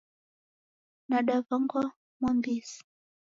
Nadaw'angwa Mwambisi.